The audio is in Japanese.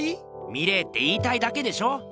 「見れ」って言いたいだけでしょ？